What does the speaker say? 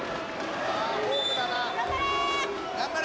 頑張れ！